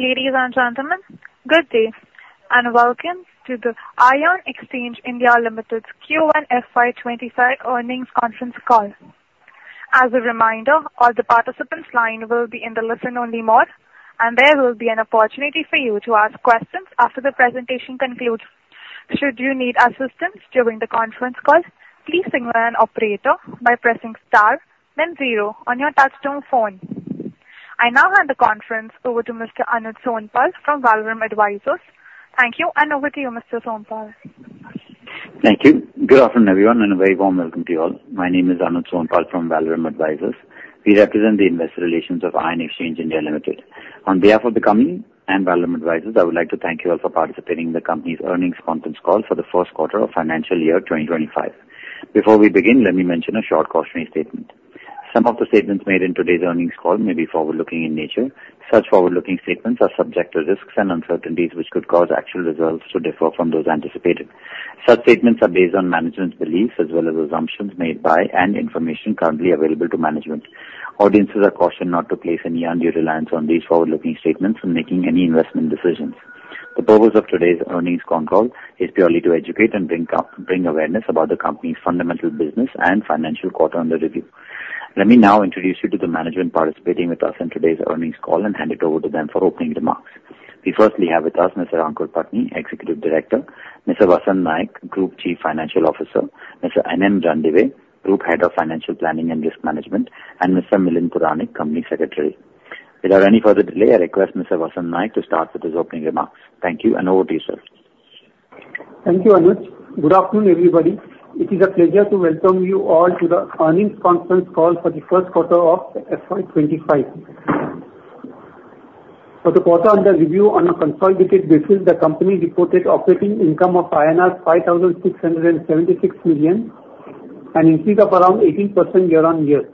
Ladies and gentlemen, good day, and welcome to the Ion Exchange (India) Limited's Q1 FY 2025 earnings conference call. As a reminder, all the participants lined will be in the listen-only mode, and there will be an opportunity for you to ask questions after the presentation concludes. Should you need assistance during the conference call, please signal an operator by pressing star then 0 on your touch-tone phone. I now hand the conference over to Mr. Anuj Sonpal from Valorem Advisors. Thank you, and over to you, Mr. Sonpal. Thank you. Good afternoon, everyone, and a very warm welcome to you all. My name is Anuj Sonpal from Valorem Advisors. We represent the investor relations of Ion Exchange (India) Limited. On behalf of the company and Valorem Advisors, I would like to thank you all for participating in the company's earnings conference call for the first quarter of financial year 2025. Before we begin, let me mention a short cautionary statement. Some of the statements made in today's earnings call may be forward-looking in nature. Such forward-looking statements are subject to risks and uncertainties which could cause actual results to differ from those anticipated. Such statements are based on management's beliefs as well as assumptions made by and information currently available to management. Audiences are cautioned not to place any undue reliance on these forward-looking statements when making any investment decisions. The purpose of today's earnings conference call is purely to educate and bring awareness about the company's fundamental business and financial quarter under review. Let me now introduce you to the management participating with us in today's earnings call and hand it over to them for opening remarks. We firstly have with us Mr. Aankur Patni, Executive Director; Mr. Vasant Naik, Group Chief Financial Officer; Mr. N.M. Randive, Group Head of Financial Planning and Risk Management; and Mr. Milind Puranik, Company Secretary. Without any further delay, I request Mr. Vasant Naik to start with his opening remarks. Thank you, and over to you, sir. Thank you, Anuj. Good afternoon, everybody. It is a pleasure to welcome you all to the earnings conference call for the first quarter of FY 2025. For the quarter under review on a consolidated basis, the company reported operating income of INR 5,676 million, an increase of around 18% year-on-year.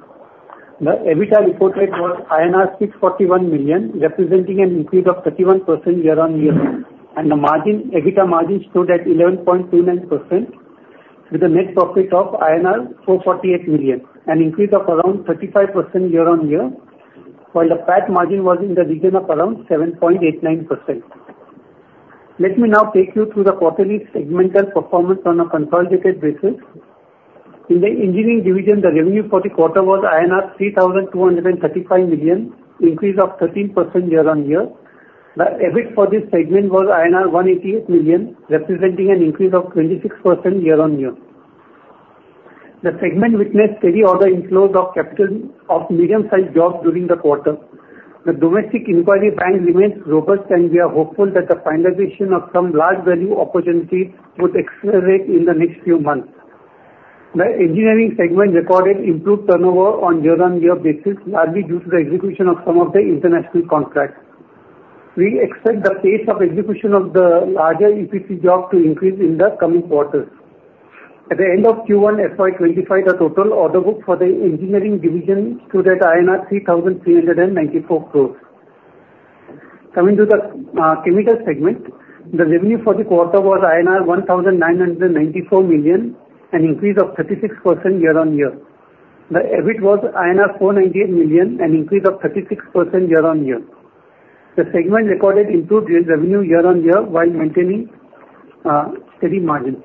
The EBITDA reported was INR 641 million, representing an increase of 31% year-on-year. The EBITDA margin stood at 11.29% with a net profit of INR 448 million, an increase of around 35% year-on-year, while the PAT margin was in the region of around 7.89%. Let me now take you through the quarterly segmental performance on a consolidated basis. In the engineering division, the revenue for the quarter was INR 3,235 million, increase of 13% year-on-year. The EBIT for this segment was INR 188 million, representing an increase of 26% year-on-year. The segment witnessed steady order inflows of medium-sized jobs during the quarter. The domestic inquiry bank remains robust, and we are hopeful that the finalization of some large-value opportunities would accelerate in the next few months. The engineering segment recorded improved turnover on year-on-year basis, largely due to the execution of some of the international contracts. We expect the pace of execution of the larger EPC jobs to increase in the coming quarters. At the end of Q1 FY 2025, the total order book for the engineering division stood at 3,394 crores. Coming to the chemical segment, the revenue for the quarter was INR 1,994 million, an increase of 36% year-on-year. The EBIT was INR 498 million, an increase of 36% year-on-year. The segment recorded improved revenue year-on-year while maintaining steady margin.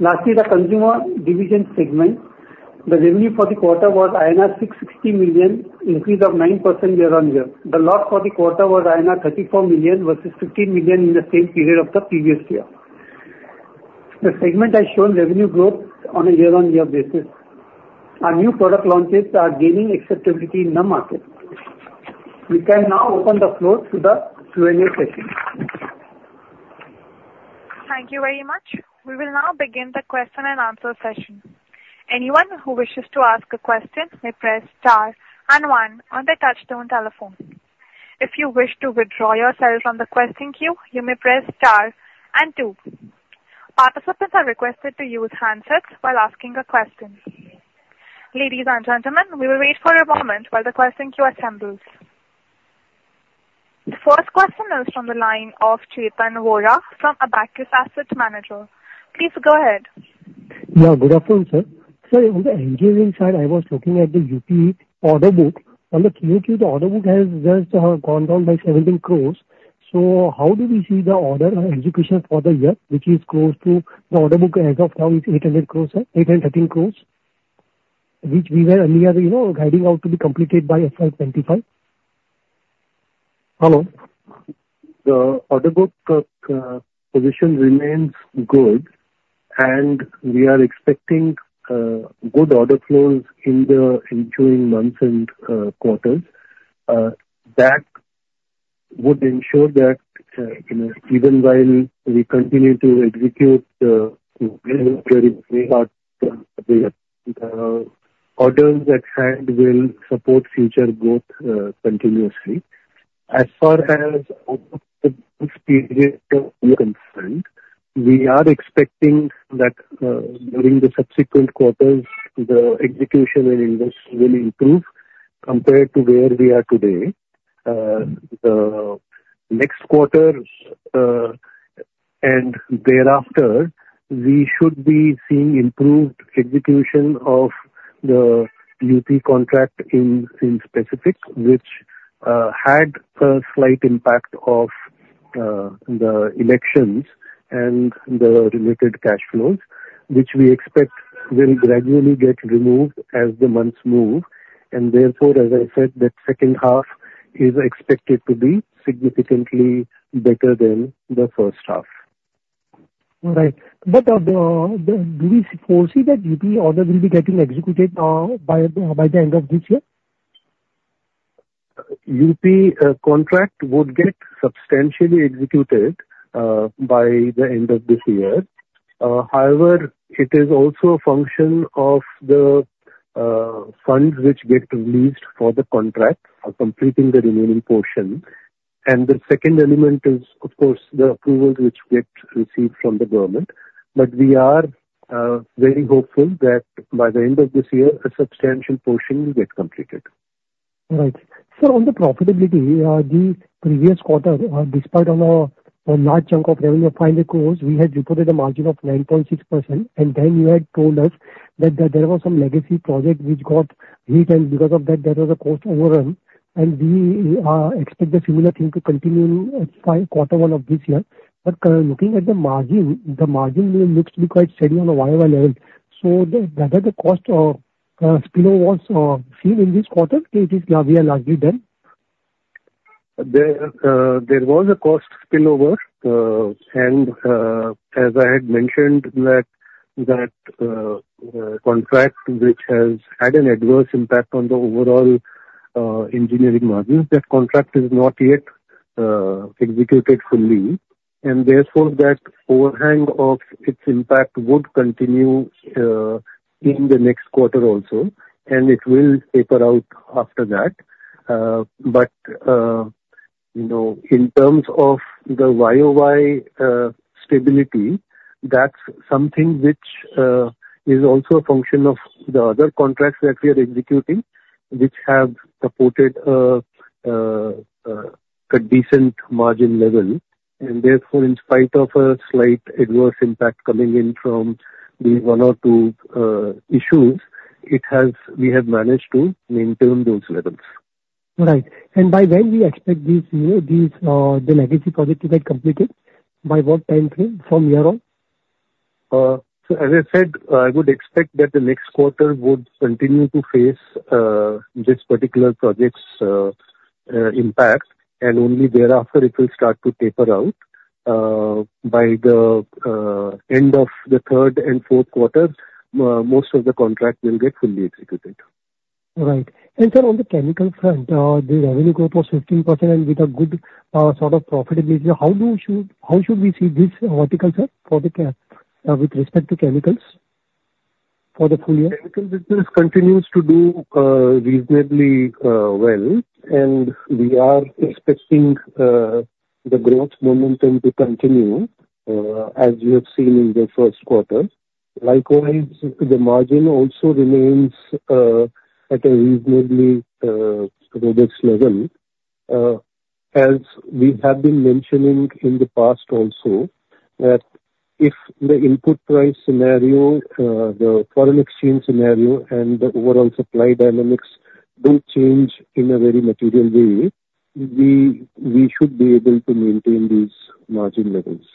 Lastly, the consumer division segment. The revenue for the quarter was INR 660 million, increase of 9% year-on-year. The loss for the quarter was INR 34 million versus 15 million in the same period of the previous year. The segment has shown revenue growth on a year-on-year basis. Our new product launches are gaining acceptability in the market. We can now open the floor to the Q&A session. Thank you very much. We will now begin the question and answer session. Anyone who wishes to ask a question may press Star and One on their touch-tone telephone. If you wish to withdraw yourself from the question queue, you may press Star and Two. Participants are requested to use handsets while asking a question. Ladies and gentlemen, we will wait for a moment while the question queue assembles. The first question is from the line of Chetan Vora from Abakkus Asset Manager. Please go ahead. Yeah, good afternoon, sir. Sir, on the engineering side, I was looking at the UP order book. On the Q2, the order book has just gone down by 17 crores. How do we see the order and execution for the year, which is close to the order book as of now is 800 crores, sir, 830 crores, which we were nearly guiding out to be completed by FY 2025? Hello. The order book position remains good. We are expecting good order flows in the ensuing months and quarters. That would ensure that, you know, even while we continue to execute the orders at hand will support future growth continuously. We are expecting that during the subsequent quarters, the execution and industry will improve compared to where we are today. The next quarter and thereafter, we should be seeing improved execution of the UP contract in specific, which had a slight impact of the elections and the related cash flows, which we expect will gradually get removed as the months move. Therefore, as I said, that second half is expected to be significantly better than the first half. Right. Do we foresee that UP order will be getting executed now by the end of this year? UP contract would get substantially executed by the end of this year. However, it is also a function of the funds which get released for the contract for completing the remaining portion. The second element is, of course, the approvals which get received from the government. We are very hopeful that by the end of this year, a substantial portion will get completed. Right. Sir, on the profitability, the previous quarter, despite on a large chunk of revenue of 5,000,000 crore, we had reported a margin of 9.6%. Then you had told us that there was some legacy project which got leaked, and because of that, there was a cost overrun, and we expect the similar thing to continue in quarter one of this year. Looking at the margin, the margin looks to be quite steady on a YOY level. Rather the cost of spillovers seen in this quarter, it is now we are largely done. There was a cost spillover. As I had mentioned that contract which has had an adverse impact on the overall engineering margin, that contract is not yet executed fully, and therefore that overhang of its impact would continue in the next quarter also, and it will taper out after that. In terms of the YOY stability, that's something which is also a function of the other contracts that we are executing, which have supported a decent margin level. Therefore, in spite of a slight adverse impact coming in from these one or two issues, we have managed to maintain those levels. Right. By when we expect the legacy project to get completed? By what time frame from here on? As I said, I would expect that the next quarter would continue to face this particular project's impact, and only thereafter it will start to taper out. By the end of the third and fourth quarters, most of the contract will get fully executed. Sir, on the chemical front, the revenue growth of 15% with a good sort of profitability. How should we see this vertical, sir, with respect to chemicals for the full year? Chemical business continues to do reasonably well. We are expecting the growth momentum to continue, as you have seen in the first quarter. Likewise, the margin also remains at a reasonably robust level. We have been mentioning in the past also, that if the input price scenario, the foreign exchange scenario, and the overall supply dynamics do change in a very material way, we should be able to maintain these margin levels.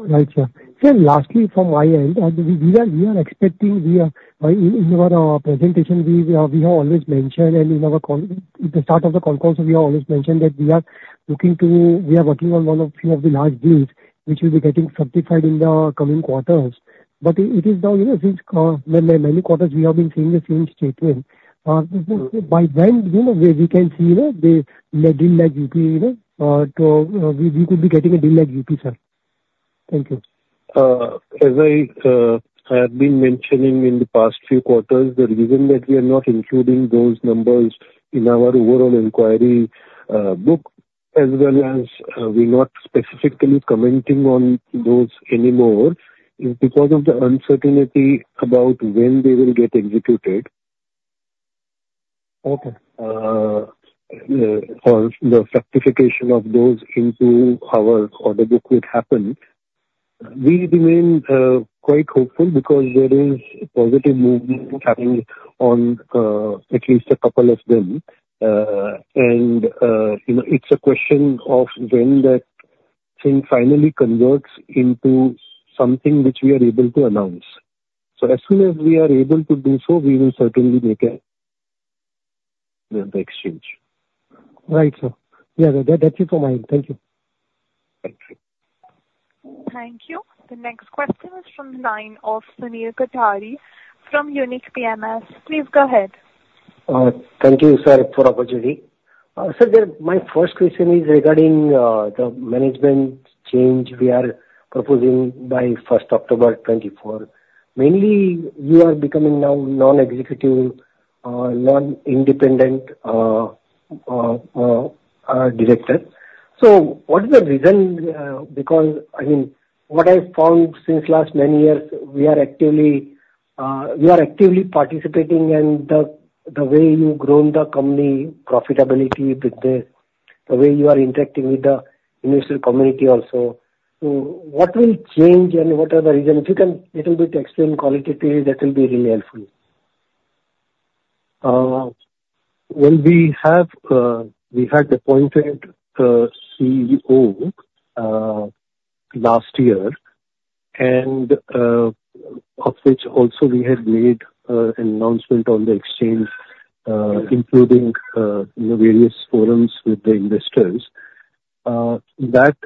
Right, sir. Sir, lastly, from my end, we are expecting, in your presentation, we have always mentioned. At the start of the call also we have always mentioned that we are working on one of few of the large deals which will be getting certified in the coming quarters. It is now, since many quarters we have been seeing the same statement. By when we can see a deal like UP? We could be getting a deal like UP, sir. Thank you. I have been mentioning in the past few quarters, the reason that we are not including those numbers in our overall inquiry book, as well as we are not specifically commenting on those anymore, is because of the uncertainty about when they will get executed. Okay. The certification of those into our order book would happen. We remain quite hopeful because there is positive movement happening on at least a couple of them. It's a question of when that thing finally converts into something which we are able to announce. As soon as we are able to do so, we will certainly make the exchange. Right, sir. Yeah, that's it from my end. Thank you. Thank you. Thank you. The next question is from the line of Sunil Kothari from Unique PMS. Please go ahead. Thank you, sir, for the opportunity. Sir, my first question is regarding the management change we are proposing by 1st October 2024. Mainly, you are becoming now non-executive, non-independent director. What is the reason? What I found since last many years, we are actively participating and the way you've grown the company profitability business, the way you are interacting with the investor community also. What will change and what are the reasons? If you can little bit explain qualitatively, that will be really helpful. We had appointed a CEO last year, of which also we had made an announcement on the exchange including the various forums with the investors. That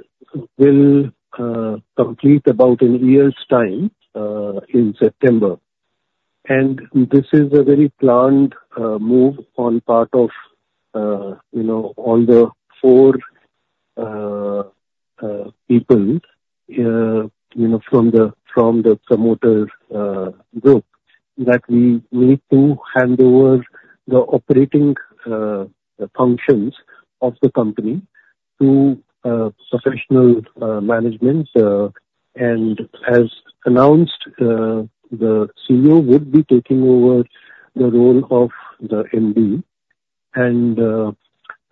will complete about a year's time in September. This is a very planned move on part of all the four people from the promoter group that we need to hand over the operating functions of the company to professional management. As announced, the CEO would be taking over the role of the MD and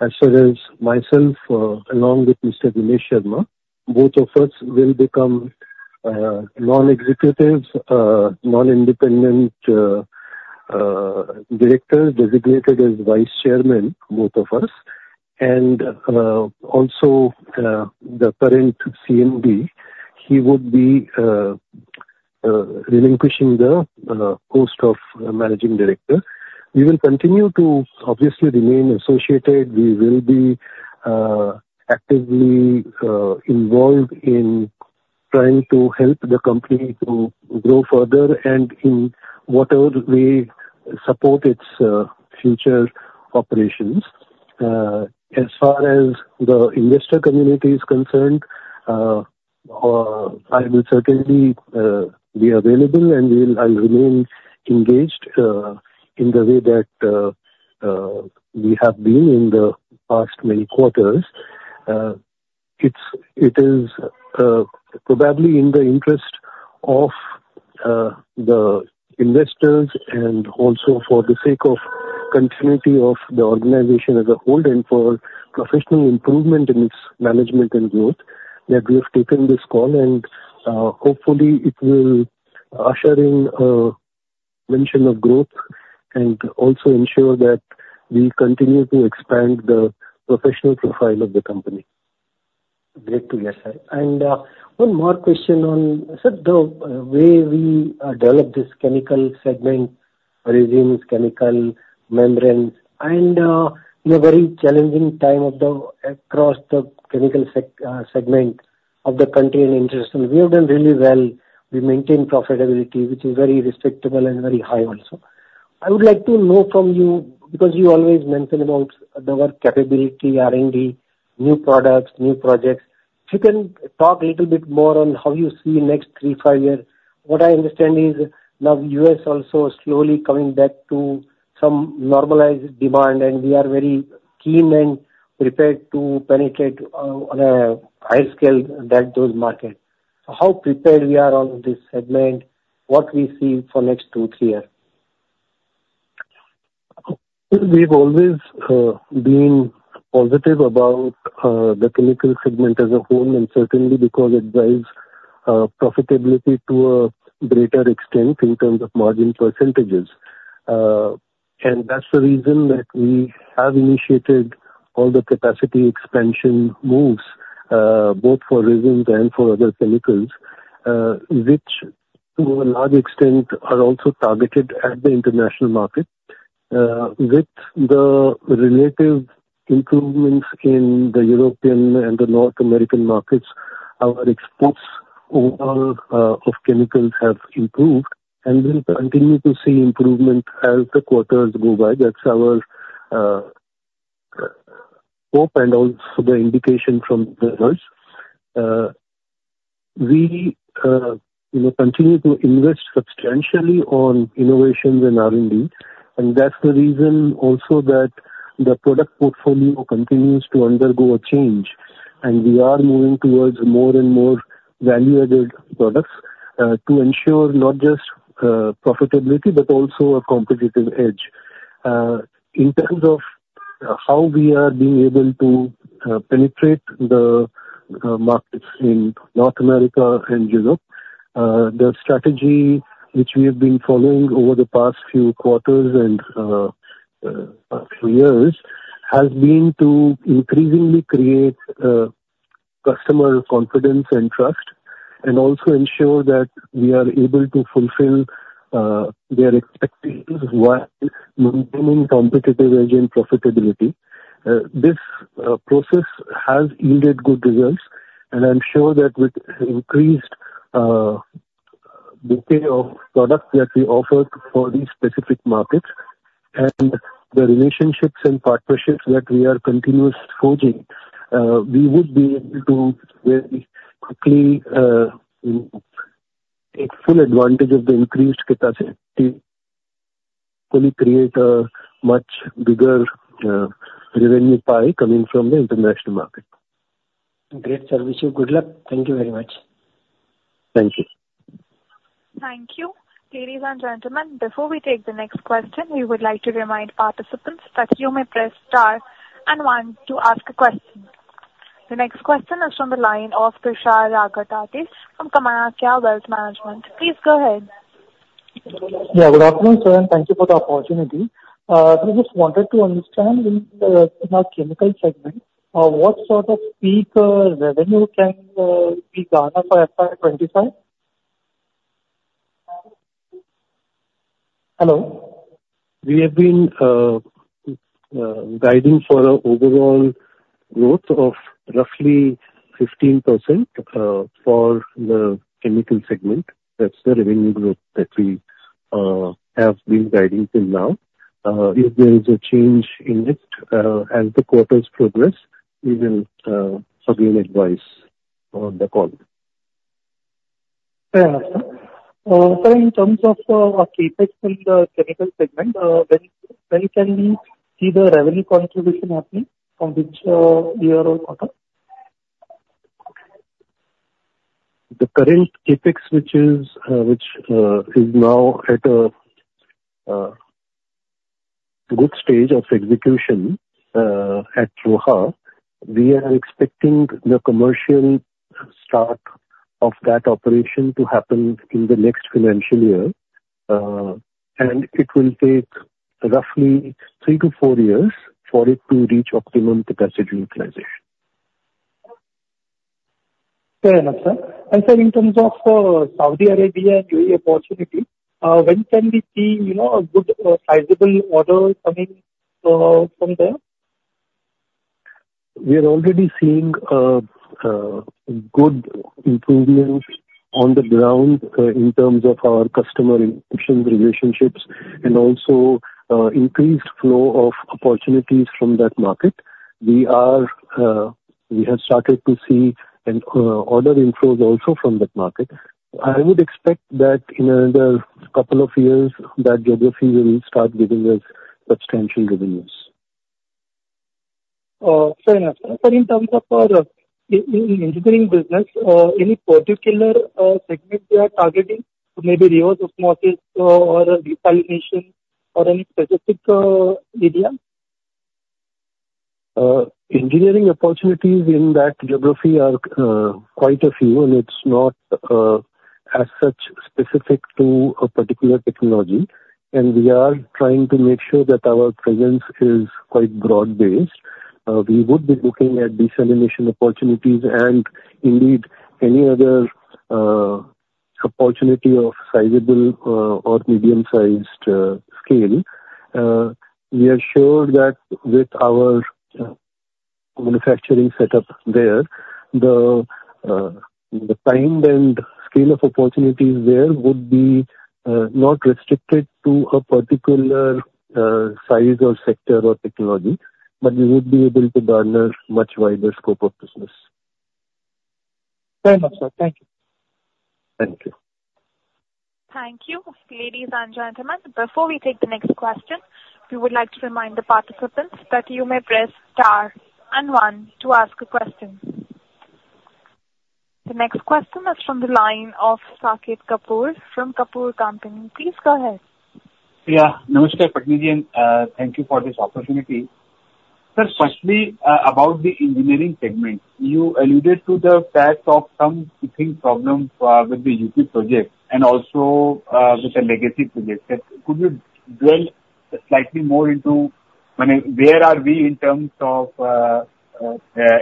as well as myself, along with Mr. Dinesh Sharma, both of us will become non-executive, non-independent directors designated as Vice Chairman, both of us. Also, the current CMD, he would be relinquishing the post of Managing Director. We will continue to obviously remain associated. We will be actively involved in trying to help the company to grow further and in whatever way support its future operations. As far as the investor community is concerned, I will certainly be available and I'll remain engaged in the way that we have been in the past many quarters. It is probably in the interest of the investors and also for the sake of continuity of the organization as a whole and for professional improvement in its management and growth that we have taken this call. Hopefully, it will usher in a mention of growth and also ensure that we continue to expand the professional profile of the company. Great to hear, sir. One more question on, sir, the way we develop this chemical segment, resins, chemical membranes, and in a very challenging time across the chemical segment of the country and industry, we have done really well. We maintain profitability, which is very respectable and very high also. I would like to know from you, because you always mention about the word capability, R&D, new products, new projects. If you can talk a little bit more on how you see next three, five years. What I understand is now U.S. also slowly coming back to some normalized demand, and we are very keen and prepared to penetrate on a high scale those markets. How prepared we are on this segment? What we see for next two, three years? We've always been positive about the chemical segment as a whole, and certainly because it drives profitability to a greater extent in terms of margin percentages. That's the reason that we have initiated all the capacity expansion moves, both for resins and for other chemicals which to a large extent are also targeted at the international market. With the relative improvements in the European and the North American markets, our exports overall of chemicals have improved, and we'll continue to see improvement as the quarters go by. That's our hope and also the indication from the results. We continue to invest substantially on innovations and R&D, and that's the reason also that the product portfolio continues to undergo a change. We are moving towards more and more value-added products to ensure not just profitability but also a competitive edge. In terms of how we are being able to penetrate the markets in North America and Europe, the strategy which we have been following over the past few quarters and past few years has been to increasingly create customer confidence and trust and also ensure that we are able to fulfill their expectations while maintaining competitive edge and profitability. This process has yielded good results, and I'm sure that with increased bouquet of products that we offer for these specific markets and the relationships and partnerships that we are continuously forging, we would be able to very quickly take full advantage of the increased capacity Fully create a much bigger revenue pie coming from the international market. Great, sir. Wish you good luck. Thank you very much. Thank you. Thank you. Ladies and gentlemen, before we take the next question, we would like to remind participants that you may press star and one to ask a question. The next question is from the line of Prashant Aggarwal from Kamaya Kayla Wealth Management. Please go ahead. Yeah, good afternoon, sir, and thank you for the opportunity. I just wanted to understand in the chemical segment, what sort of peak revenue can be garnered for FY 2025? Hello. We have been guiding for an overall growth of roughly 15% for the chemical segment. That's the revenue growth that we have been guiding till now. If there is a change in it, as the quarters progress, we will again advise on the call. Fair enough, sir. Sir, in terms of our CapEx in the chemical segment, when can we see the revenue contribution happening from which year or quarter? The current CapEx which is now at a good stage of execution at Roha, we are expecting the commercial start of that operation to happen in the next financial year, and it will take roughly 3-4 years for it to reach optimum capacity utilization. Fair enough, sir. Sir, in terms of Saudi Arabia and UAE opportunity, when can we see a good, sizable order coming from there? We are already seeing a good improvement on the ground in terms of our customer relationships and also increased flow of opportunities from that market. We have started to see an order inflow also from that market. I would expect that in another couple of years, that geography will start giving us substantial revenues. Fair enough, sir. Sir, in terms of our engineering business, any particular segment we are targeting, maybe reverse osmosis or desalination or any specific area? Engineering opportunities in that geography are quite a few, and it's not as such specific to a particular technology, and we are trying to make sure that our presence is quite broad-based. We would be looking at desalination opportunities and indeed any other opportunity of sizable or medium-sized scale. We are sure that with our manufacturing setup there, the kind and scale of opportunities there would be not restricted to a particular size or sector or technology, but we would be able to garner much wider scope of business. Fair enough, sir. Thank you. Thank you. Thank you. Ladies and gentlemen, before we take the next question, we would like to remind the participants that you may press star and one to ask a question. The next question is from the line of Saket Kapoor from Kapoor Company. Please go ahead. Yeah. Namaste, Pattni ji. Thank you for this opportunity. Sir, firstly, about the engineering segment, you alluded to the fact of some hitting problems with the UP project and also with the legacy projects. Could you dwell slightly more into where are we in terms of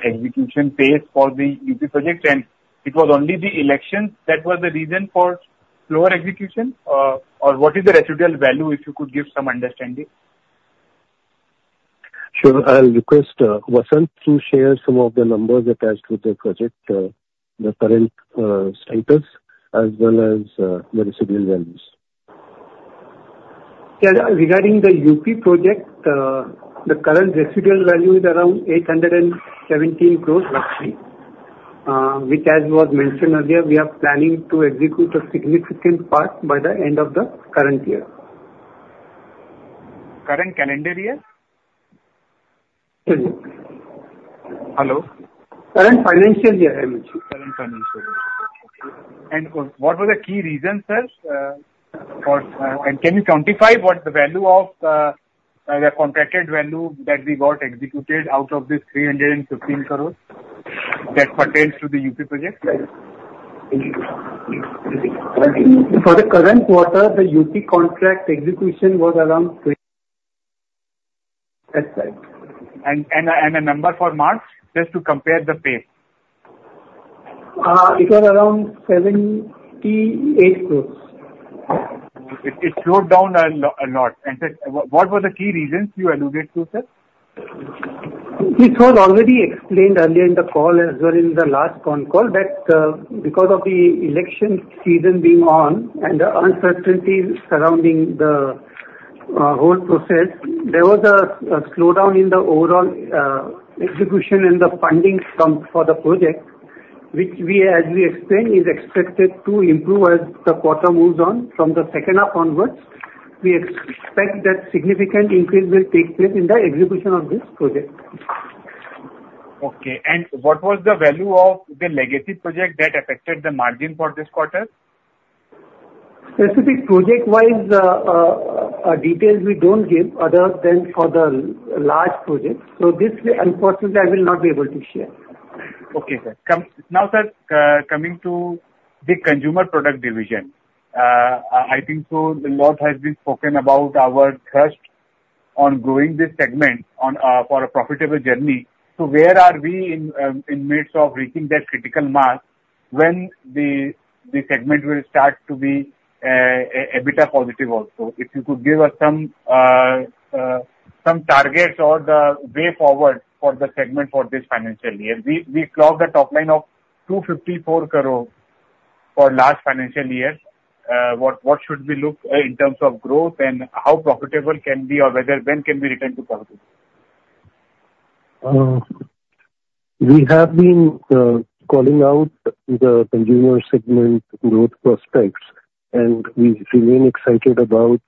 execution pace for the UP project? It was only the election that was the reason for slower execution? Or what is the residual value, if you could give some understanding? Sure. I'll request Vasant to share some of the numbers attached with the project, the current status, as well as the residual values. Regarding the UP project, the current residual value is around 817 crores roughly, which as was mentioned earlier, we are planning to execute a significant part by the end of the current year. Current calendar year? Sorry. Hello? Current financial year, I mean. What were the key reasons, sir? Can you quantify what the contracted value that we got executed out of this 315 crores that pertains to the UP project? For the current quarter, the UP contract execution was around. A number for March, just to compare the pace. It was around 78 crores. It slowed down a lot. Sir, what were the key reasons you alluded to, sir? It was already explained earlier in the call as well in the last con call that because of the election season being on and the uncertainties surrounding the whole process, there was a slowdown in the overall execution and the funding for the project. Which as we explained, is expected to improve as the quarter moves on. From the second half onwards, we expect that significant increase will take place in the execution of this project. Okay. What was the value of the legacy project that affected the margin for this quarter? Specific project-wise details we don't give other than for the large projects. This, unfortunately, I will not be able to share. Okay, sir. Now, sir, coming to the consumer product division. I think a lot has been spoken about our trust on growing this segment for a profitable journey. Where are we in midst of reaching that critical mark when the segment will start to be EBITDA positive also? If you could give us some targets or the way forward for the segment for this financial year. We clocked a top line of INR 254 crore for last financial year. What should we look in terms of growth and how profitable can we or when can we return to profit? We have been calling out the consumer segment growth prospects, and we remain excited about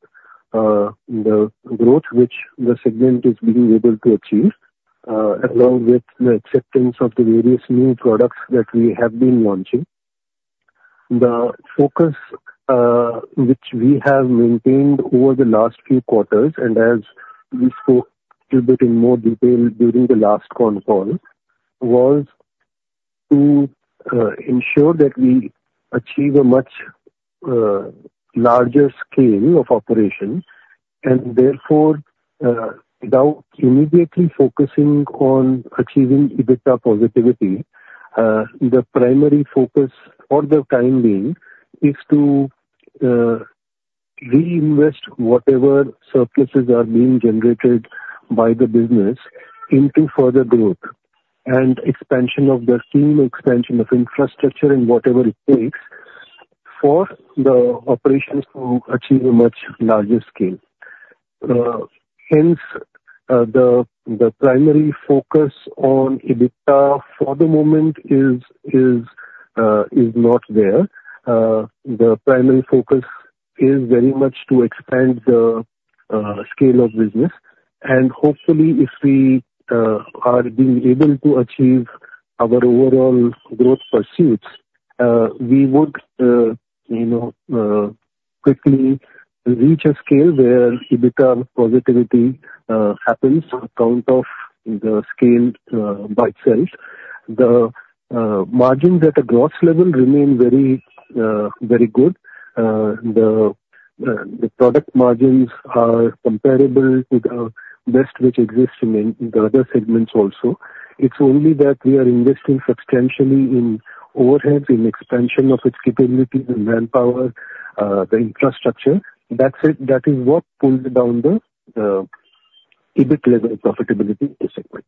the growth which the segment is being able to achieve, along with the acceptance of the various new products that we have been launching. The focus which we have maintained over the last few quarters, and as we spoke a bit in more detail during the last con call, was to ensure that we achieve a much larger scale of operations, and therefore, without immediately focusing on achieving EBITDA positivity, the primary focus for the time being is to reinvest whatever surpluses are being generated by the business into further growth and expansion of the team, expansion of infrastructure and whatever it takes for the operations to achieve a much larger scale. The primary focus on EBITDA for the moment is not there. The primary focus is very much to expand the scale of business. Hopefully, if we are being able to achieve our overall growth pursuits, we would quickly reach a scale where EBITDA positivity happens on account of the scale by itself. The margins at a gross level remain very good. The product margins are comparable with the best which exists in the other segments also. It's only that we are investing substantially in overheads, in expansion of its capabilities and manpower, the infrastructure. That is what pulls down the EBIT level profitability in this segment.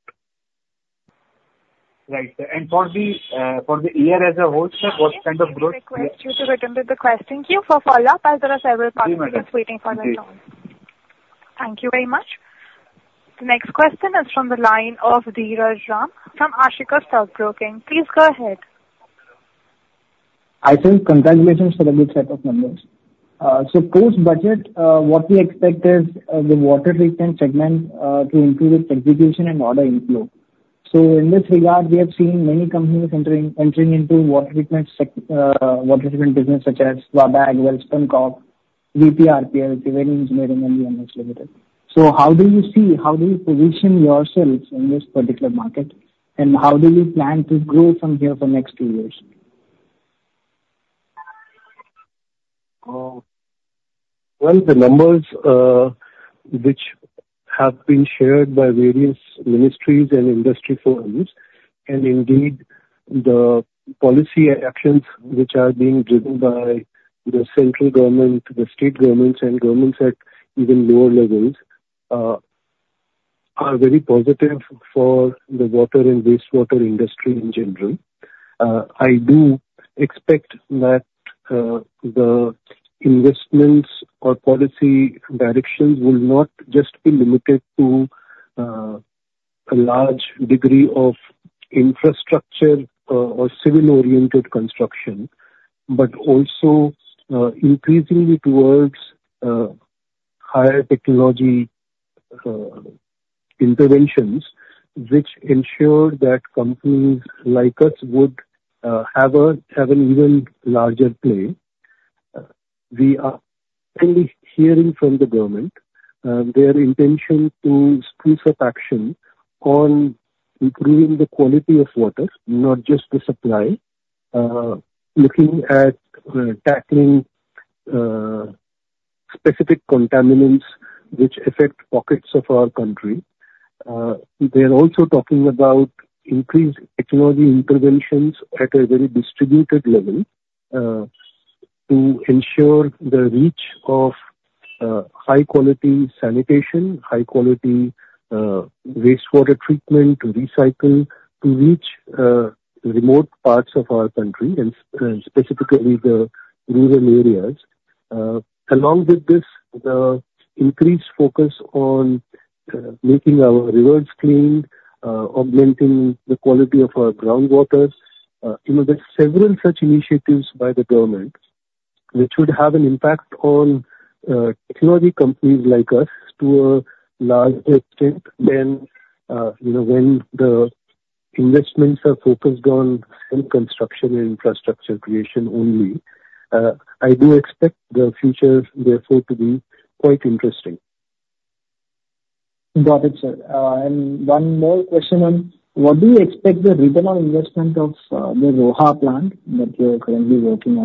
Right. For the year as a whole, sir, what kind of growth I request you to return with the question queue for follow-up, as there are several parties just waiting for their turn. Okay. Thank you very much. The next question is from the line of Dhiraj Ram from Ashika Stock Broking. Please go ahead. I say congratulations for the good set of numbers. Post-budget, what we expect is the water treatment segment to improve its execution and order inflow. In this regard, we have seen many companies entering into water treatment business such as VA Tech Wabag, Welspun Corp, VPRPL, Xylem, and YMS Limited. How do you see, how do you position yourselves in this particular market? How do you plan to grow from here for next two years? Well, the numbers which have been shared by various ministries and industry forums, indeed the policy actions which are being driven by the central government, the state governments and governments at even lower levels are very positive for the water and wastewater industry in general. I do expect that the investments or policy directions will not just be limited to a large degree of infrastructure or civil-oriented construction, but also increasingly towards higher technology interventions, which ensure that companies like us would have an even larger play. We are currently hearing from the government their intention to spruce up action on improving the quality of water, not just the supply. Looking at tackling specific contaminants which affect pockets of our country. They are also talking about increased technology interventions at a very distributed level to ensure the reach of high quality sanitation, high quality wastewater treatment, recycle to reach remote parts of our country and specifically the rural areas. Along with this, the increased focus on making our rivers clean, augmenting the quality of our groundwaters. There are several such initiatives by the government which would have an impact on technology companies like us to a large extent than when the investments are focused on construction and infrastructure creation only. I do expect the future, therefore, to be quite interesting. Got it, sir. One more question on, what do you expect the ROI of the Roha plant that you are currently working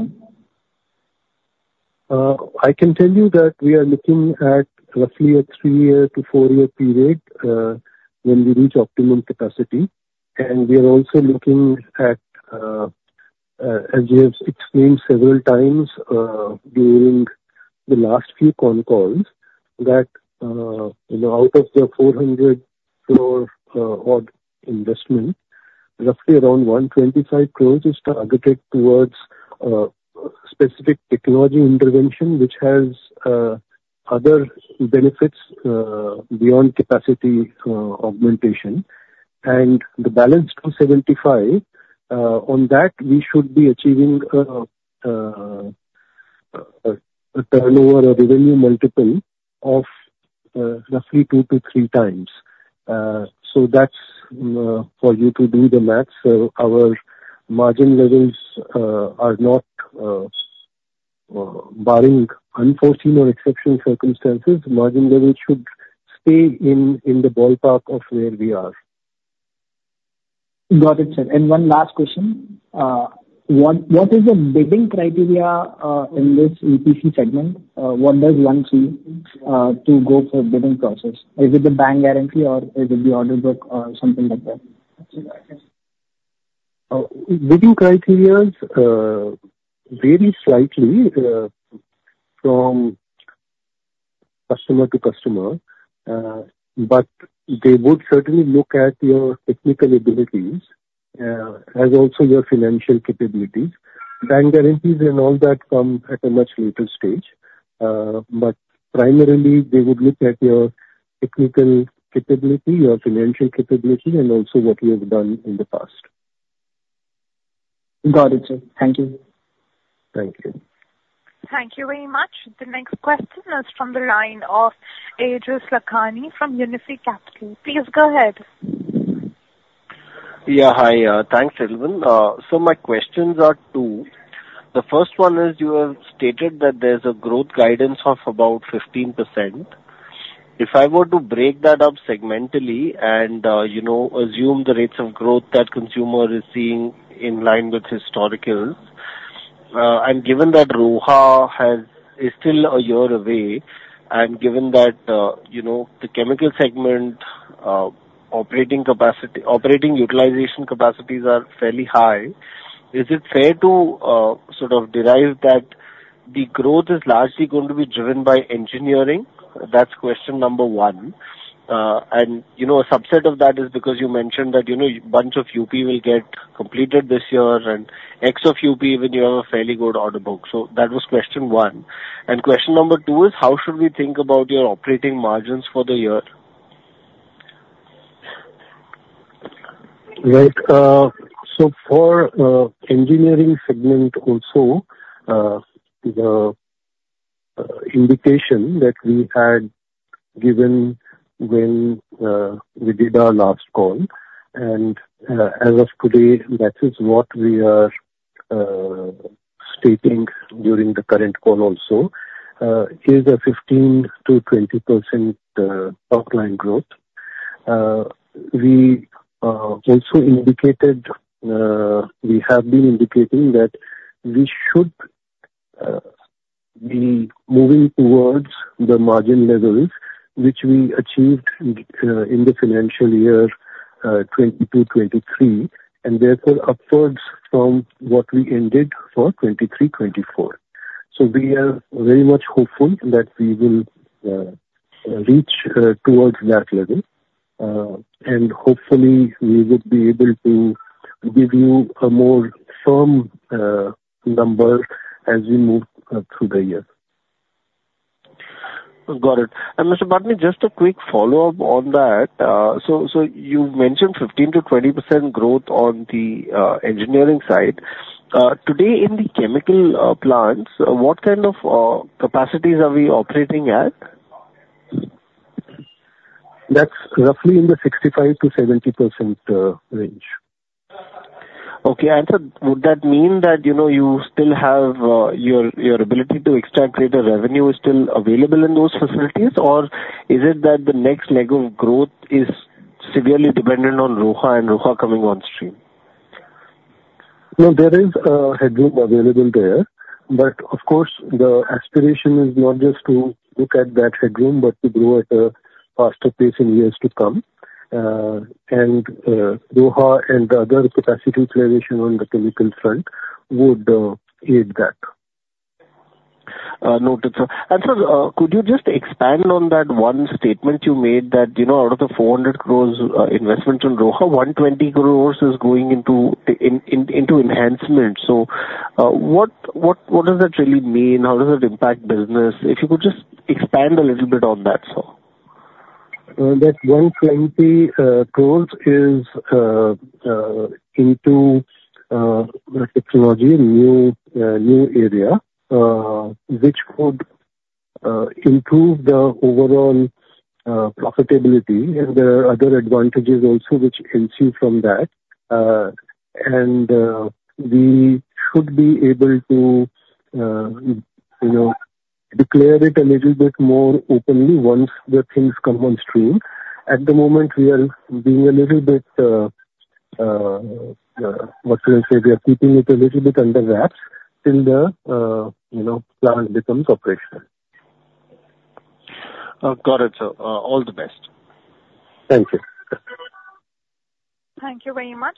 on? I can tell you that we are looking at roughly a three-year to four-year period when we reach optimum capacity. We are also looking at, as we have explained several times during the last few con calls, that out of the 400 crore odd investment, roughly around 125 crore is targeted towards specific technology intervention which has other benefits beyond capacity augmentation. The balance 275, on that, we should be achieving a turnover or revenue multiple of roughly two to three times. That's for you to do the math. Our margin levels are not barring unforeseen or exceptional circumstances, margin levels should stay in the ballpark of where we are. Got it, sir. One last question. What is the bidding criterias in this EPC segment? What does one see to go for bidding process? Is it the bank guarantee or is it the order book or something like that? Bidding criterias vary slightly from customer to customer. They would certainly look at your technical abilities as also your financial capabilities. Bank guarantees and all that come at a much later stage. Primarily, they would look at your technical capability, your financial capability, and also what you have done in the past. Got it, sir. Thank you. Thank you. Thank you very much. The next question is from the line of Aejas Lakhani from Unifi Capital. Please go ahead. Hi. Thanks, Elvin. My questions are two. The first one is, you have stated that there's a growth guidance of about 15%. If I were to break that up segmentally and assume the rates of growth that consumer is seeing in line with historical, and given that Roha is still a year away, and given that the chemical segment operating utilization capacities are fairly high, is it fair to derive that the growth is largely going to be driven by engineering? That's question number 1. A subset of that is because you mentioned that a bunch of UP will get completed this year and X of UP when you have a fairly good order book. That was question 1. Question number 2 is how should we think about your operating margins for the year? Right. For engineering segment also, the indication that we had given when we did our last call, and as of today, that is what we are stating during the current call also, is a 15%-20% top-line growth. We have been indicating that we should be moving towards the margin levels which we achieved in the financial year 2022-2023, and therefore upwards from what we ended for 2023-2024. We are very much hopeful that we will reach towards that level. Hopefully we would be able to give you a more firm number as we move through the year. Got it. Mr. Patni, just a quick follow-up on that. You mentioned 15%-20% growth on the engineering side. Today in the chemical plants, what kind of capacities are we operating at? That's roughly in the 65%-70% range. Okay. Sir, would that mean that your ability to extract greater revenue is still available in those facilities, or is it that the next leg of growth is severely dependent on Roha and Roha coming on stream? No, there is a headroom available there. Of course, the aspiration is not just to look at that headroom, but to grow at a faster pace in years to come. Roha and other capacity creation on the chemical front would aid that. Noted, sir. Sir, could you just expand on that one statement you made that out of the 400 crores investment in Roha, 120 crores is going into enhancement. What does that really mean? How does it impact business? If you could just expand a little bit on that, sir. That INR 120 crores is into that technology, a new area, which could improve the overall profitability. There are other advantages also which ensue from that. We should be able to declare it a little bit more openly once the things come on stream. At the moment, we are keeping it a little bit under wraps till the plan becomes operational. Got it, sir. All the best. Thank you. Thank you very much.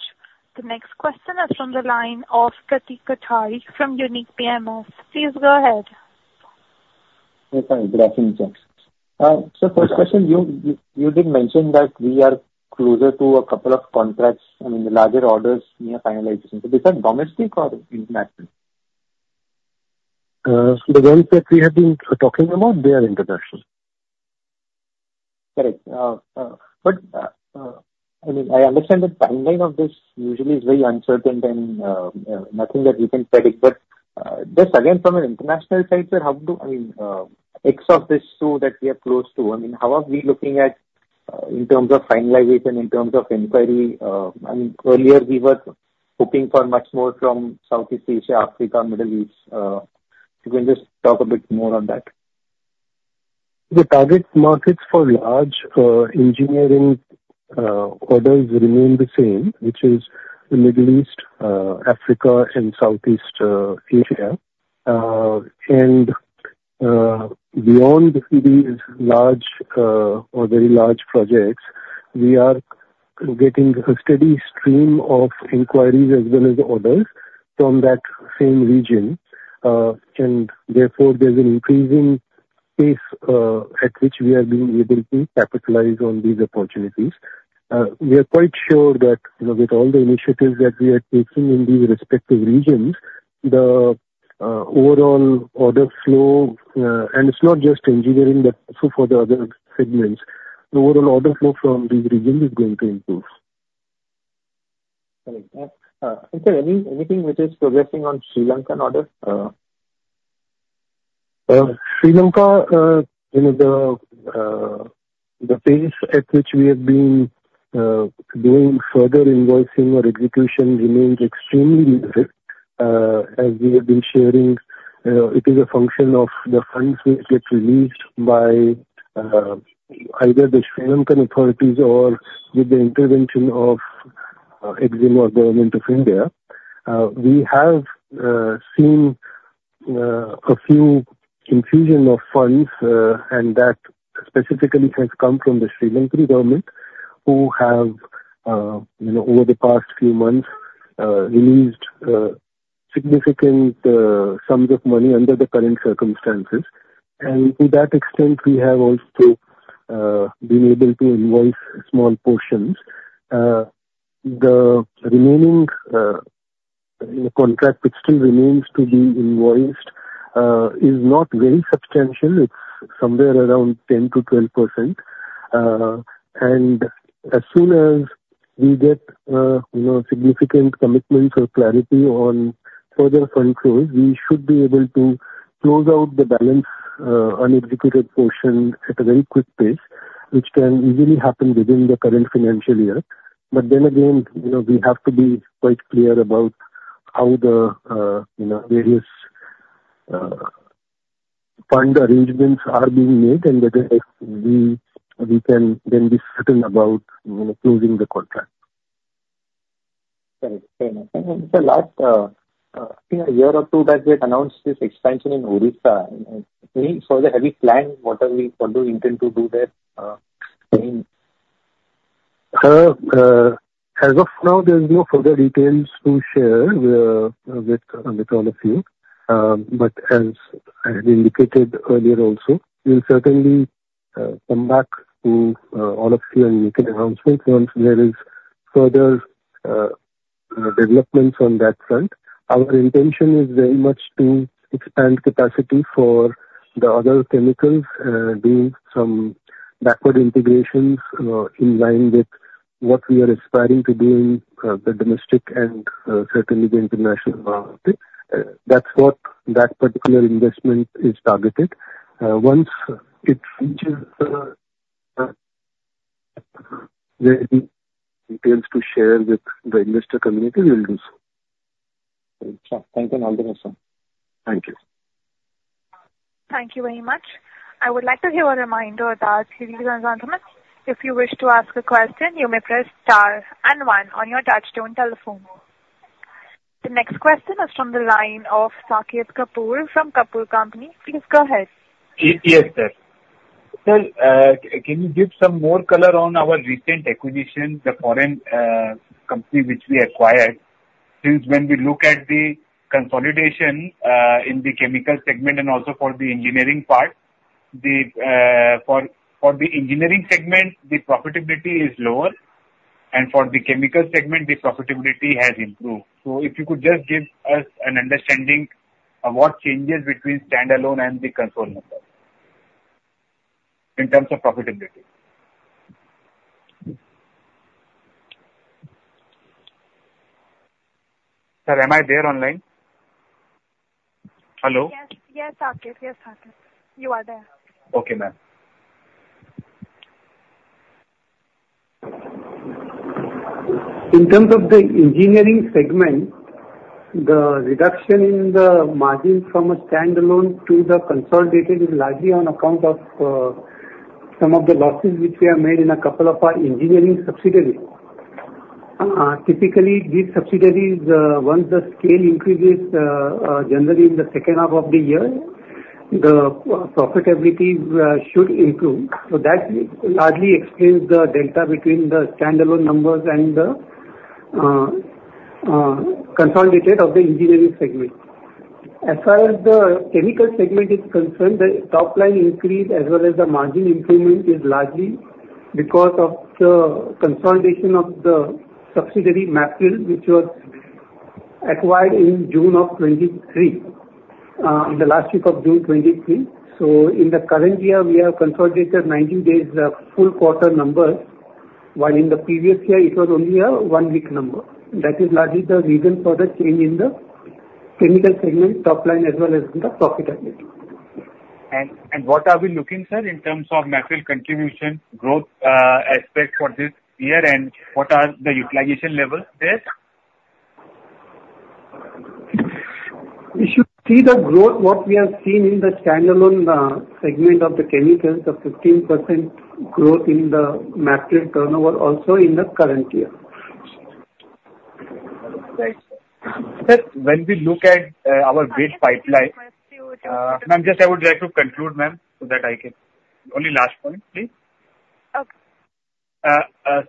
The next question is from the line of Kartik Kothari from Unique PMS. Please go ahead. Hi, good afternoon, gents. First question, you did mention that we are closer to a couple of contracts, I mean, the larger orders near finalization. These are domestic or international? The ones that we have been talking about, they are international. Correct. I understand the timeline of this usually is very uncertain and nothing that we can predict. Just again, from an international side, sir, I mean, X of this two that we are close to, how are we looking at in terms of finalization, in terms of inquiry? Earlier we were hoping for much more from Southeast Asia, Africa, Middle East. If you can just talk a bit more on that. The target markets for large engineering orders remain the same, which is the Middle East, Africa, and Southeast Asia. Beyond these large or very large projects, we are getting a steady stream of inquiries as well as orders from that same region. Therefore, there's an increasing pace at which we have been able to capitalize on these opportunities. We are quite sure that with all the initiatives that we are taking in these respective regions, the overall order flow, and it's not just engineering, but also for the other segments, the overall order flow from these regions is going to improve. Correct. Sir, anything which is progressing on Sri Lankan orders? Sri Lanka, the pace at which we have been doing further invoicing or execution remains extremely weak. As we have been sharing, it is a function of the funds which gets released by either the Sri Lankan authorities or with the intervention of EXIM or Government of India. We have seen a few infusion of funds, and that specifically has come from the Sri Lankan government, who have over the past few months, released significant sums of money under the current circumstances. To that extent, we have also been able to invoice small portions. The remaining contract which still remains to be invoiced is not very substantial. It's somewhere around 10%-12%. As soon as we get significant commitments or clarity on further fund flows, we should be able to close out the balance unexecuted portion at a very quick pace, which can easily happen within the current financial year. Again, we have to be quite clear about how the various fund arrangements are being made and whether we can then be certain about closing the contract. Correct. Fair enough. It's a lot, I think a year or two back, they had announced this expansion in Odisha. Any further, have you planned what do you intend to do there? As of now, there's no further details to share with all of you. As I have indicated earlier also, we'll certainly come back to all of you and make an announcement once there is further developments on that front. Our intention is very much to expand capacity for the other chemicals, doing some backward integrations in line with what we are aspiring to do in the domestic and certainly the international market. That's what that particular investment is targeted. Once it reaches details to share with the investor community, we'll do so. Great. Thank you. All the best, sir. Thank you. Thank you very much. I would like to give a reminder that, ladies and gentlemen, if you wish to ask a question, you may press star and one on your touchtone telephone. The next question is from the line of Saket Kapoor from Kapoor Company. Please go ahead. Yes, sir. Sir, can you give some more color on our recent acquisition, the foreign company which we acquired? Since when we look at the consolidation in the chemical segment and also for the engineering part. For the engineering segment, the profitability is lower. For the chemical segment, the profitability has improved. If you could just give us an understanding of what changes between standalone and the control numbers, in terms of profitability. Sir, am I there online? Hello. Yes, Aakif. You are there. Okay, ma'am. In terms of the engineering segment, the reduction in the margin from a standalone to the consolidated is largely on account of some of the losses which we have made in a couple of our engineering subsidiaries. Typically, these subsidiaries, once the scale increases, generally in the second half of the year, the profitability should improve. That largely explains the delta between the standalone numbers and the consolidated of the engineering segment. As far as the chemical segment is concerned, the top line increase as well as the margin improvement is largely because of the consolidation of the subsidiary Mapril, which was acquired in June of 2023, in the last week of June 2023. In the current year, we have consolidated 90 days of full quarter numbers, while in the previous year it was only a one-week number. That is largely the reason for the change in the chemical segment top line as well as the profitability. What are we looking, sir, in terms of Mapril contribution growth aspect for this year, and what are the utilization levels there? We should see the growth what we have seen in the standalone segment of the chemicals, the 15% growth in the Mapril turnover also in the current year. Right. Sir, when we look at our big pipeline Ma'am, just I would like to conclude, ma'am, so that I can. Only last point, please. Okay.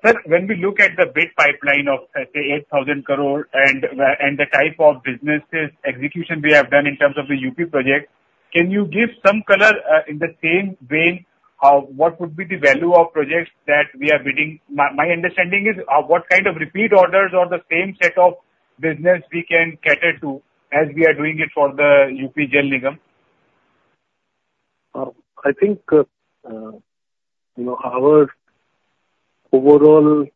Sir, when we look at the big pipeline of, let's say, 8,000 crore and the type of businesses execution we have done in terms of the UP project, can you give some color in the same vein of what would be the value of projects that we are bidding? My understanding is, what kind of repeat orders or the same set of business we can cater to as we are doing it for the Uttar Pradesh Jal Nigam. I think our overall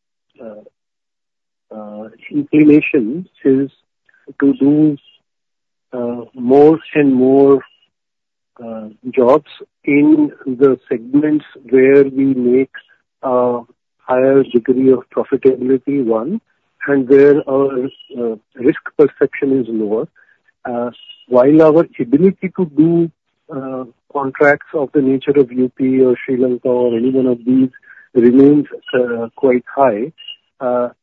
inclination is to do more and more jobs in the segments where we make a higher degree of profitability, one, and where our risk perception is lower. While our ability to do contracts of the nature of UP or Sri Lanka or any one of these remains quite high, whether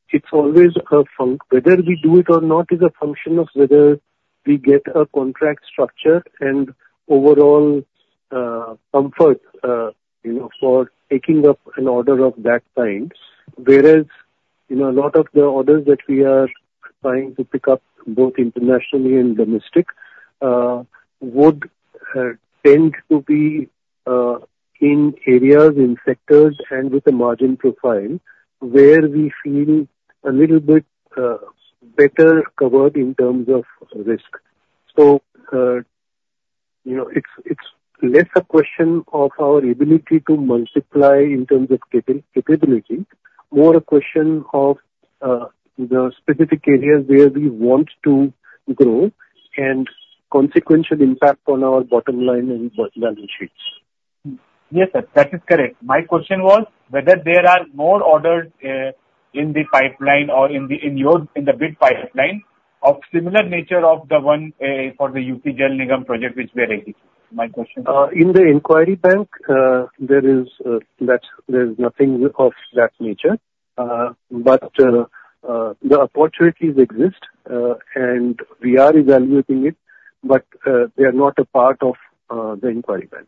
we do it or not is a function of whether we get a contract structure and overall comfort for taking up an order of that kind. A lot of the orders that we are trying to pick up, both internationally and domestic, would tend to be in areas, in sectors and with a margin profile where we feel a little bit better covered in terms of risk. It's less a question of our ability to multiply in terms of capability, more a question of the specific areas where we want to grow and consequential impact on our bottom line and balance sheets. Yes, sir. That is correct. My question was whether there are more orders in the pipeline or in the bid pipeline of similar nature of the one for the UP Jal Nigam project which we are making. My question. In the inquiry bank, there's nothing of that nature. The opportunities exist, and we are evaluating it, but they are not a part of the inquiry bank.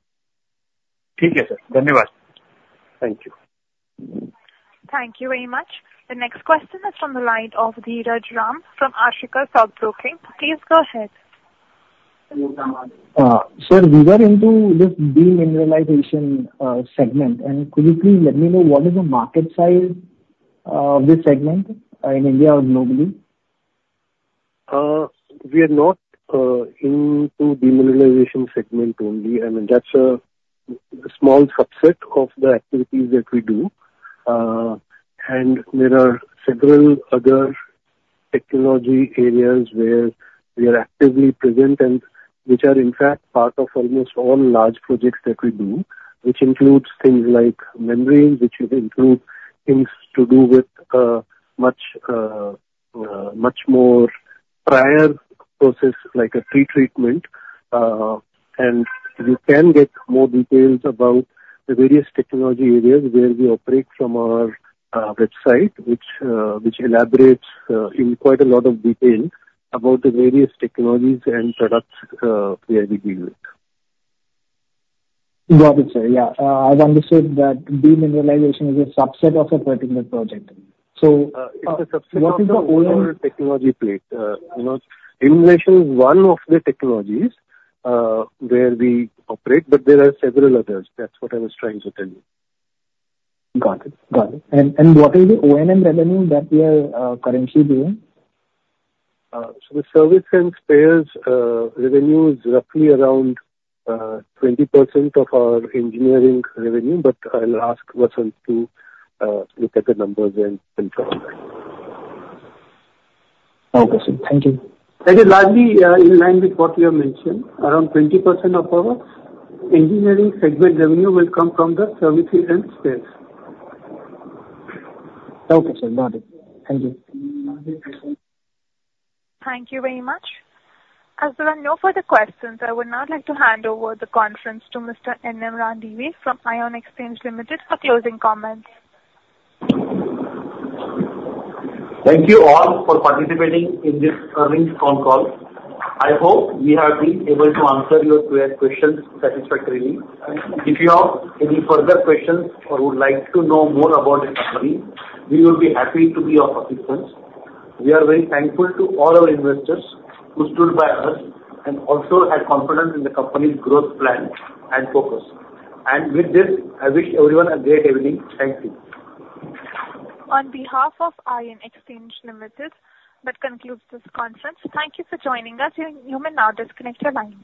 Okay, sir. Thank you. Thank you. Thank you very much. The next question is from the line of Dhiraj Ram from Ashika Stock Broking. Please go ahead. Sir, we are into this demineralization segment. Could you please let me know what is the market size of this segment in India or globally? We are not into demineralization segment only. I mean, that's a small subset of the activities that we do. There are several other technology areas where we are actively present and which are in fact part of almost all large projects that we do, which includes things like membranes, which include things to do with much more prior process like a pre-treatment. You can get more details about the various technology areas where we operate from our website, which elaborates in quite a lot of detail about the various technologies and products we are dealing with. Got it, sir. Yeah. I've understood that demineralization is a subset of a particular project. It's a subset of our technology plate. Demineralization is one of the technologies where we operate, but there are several others. That's what I was trying to tell you. Got it. What is the O&M revenue that we are currently doing? The service and spares revenue is roughly around 20% of our engineering revenue, but I'll ask Vasant to look at the numbers and confirm that. Okay, sir. Thank you. That is largely in line with what you have mentioned. Around 20% of our engineering segment revenue will come from the services and spares. Okay, sir. Got it. Thank you. Thank you very much. As there are no further questions, I would now like to hand over the conference to Mr. N. M. Randive from Ion Exchange Limited for closing comments. Thank you all for participating in this earnings phone call. I hope we have been able to answer your questions satisfactorily. If you have any further questions or would like to know more about the company, we will be happy to be of assistance. We are very thankful to all our investors who stood by us and also had confidence in the company's growth plan and focus. With this, I wish everyone a great evening. Thank you. On behalf of Ion Exchange Limited, that concludes this conference. Thank you for joining us. You may now disconnect your lines.